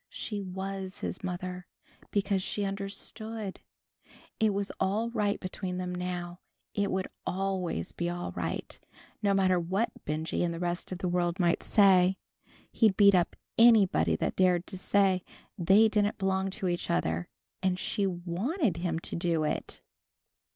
She was his mother, because she understood! It was all right between them now. It would always be all right, no matter what Benjy and the rest of the world might say. He'd beat up anybody that dared to say they didn't belong to each other, and she wanted him to do it!